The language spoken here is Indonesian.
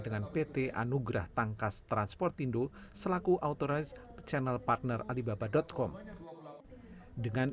dengan pt anugrah tangkas transportindo selaku autorized channel partner alibaba com dengan